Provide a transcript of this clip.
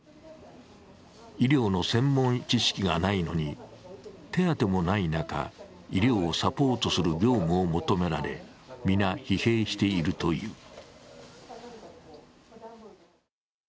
医療の専門知識がないのに手当もない中、医療をサポートする業務を求められ皆、疲弊しているという。